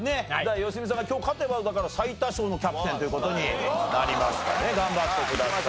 良純さんが今日勝てばだから最多勝のキャプテンという事になりますからね頑張ってください。